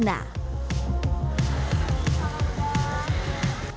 sate yang sudah dikacaukan